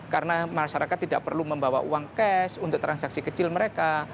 karena masyarakat tidak perlu membawa uang cash untuk transaksi kecil mereka